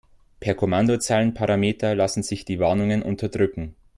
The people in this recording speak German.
Per Kommandozeilenparameter lassen sich die Warnungen unterdrücken.